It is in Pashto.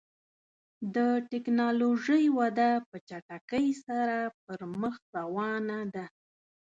د ټکنالوژۍ وده په چټکۍ سره پر مخ روانه ده.